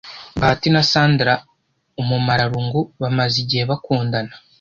Bahati na Sandra Umumararungu bamaze igihe bakundana